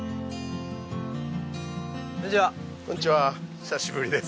久しぶりです。